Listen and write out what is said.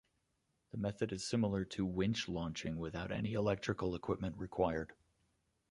The method is similar to winch launching without any electrical equipment required.